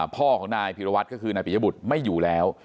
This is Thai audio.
พ่อของนายพิรวัตรก็คือนายปิยบุตรไม่อยู่แล้ว